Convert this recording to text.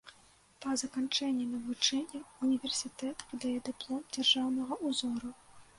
Па заканчэнні навучання ўніверсітэт выдае дыплом дзяржаўнага ўзору.